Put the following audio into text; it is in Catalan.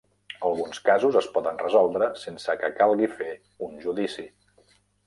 Alguns casos es poden resoldre sense que calgui fer un judici.